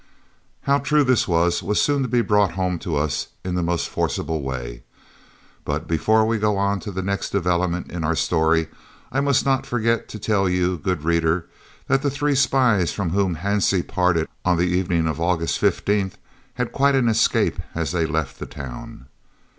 How true this was, was soon to be brought home to us in the most forcible way; but before we go on to the next developments in our story I must not forget to tell you, good reader, that the three spies from whom Hansie parted on the evening of August 15th had quite an escape as they left the town.